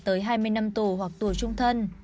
tới hai mươi năm tù hoặc tù trung thân